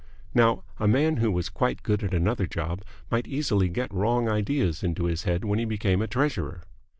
Now, a man who was quite good at another job might easily get wrong ideas into his head when he became a treasurer.